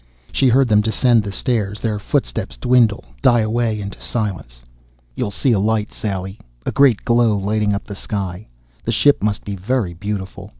She heard them descend the stairs, their footsteps dwindle, die away into silence ... _You'll see a light, Sally, a great glow lighting up the sky. The ship must be very beautiful.